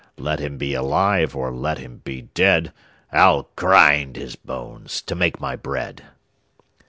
Let him be alive or let him be dead, I'll grind his bones to make my bread.